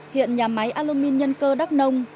hiện nhà máy alumin nhân cơ đắk nông